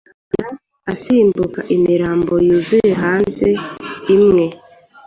agenda asimbuka imirambo yuzuye hanze, imwe